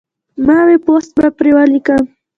ما وې پوسټ به پرې وليکم